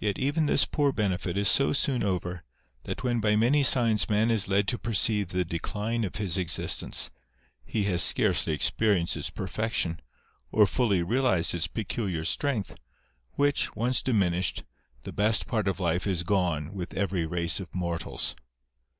Yet even this poor benefit is so soon over, that when by many signs man is led to perceive the decline of his existence, he has scarcely experienced its perfection, or fully realised its peculiar strength, which, once diminished, the best part of life is gone with every race of mortals.